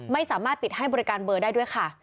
ไม่สามารถปิดให้บริการเบอร์ได้ด้วยค่ะ